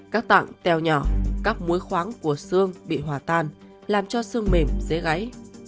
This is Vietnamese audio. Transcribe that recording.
các tạng tèo nhỏ các muối khoáng của xương bị hòa tan làm cho xương mềm dễ gãy